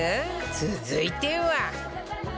続いては